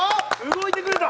動いてくれた！